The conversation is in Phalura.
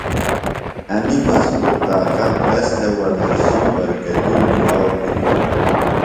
انیۡ مضبوط طاقت تس تھےۡ ورزشی برکتی ملاؤ بِھلیۡ دےۡ۔